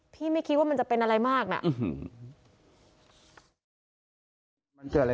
ไม่คิดว่ามันจะเป็นอะไรมากน่ะ